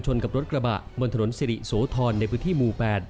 กับรถกระบะบนถนนสิริโสธรในพื้นที่หมู่๘